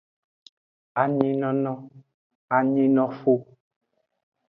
Anyinono, anyinoxu.